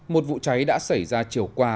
một vụ cháy đã xảy ra chiều qua